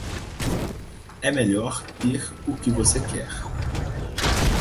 É melhor ter o que você quer.